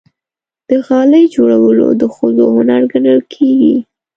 د غالۍ جوړول د ښځو هنر ګڼل کېږي.